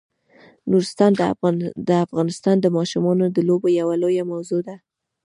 نورستان د افغانستان د ماشومانو د لوبو یوه لویه موضوع ده.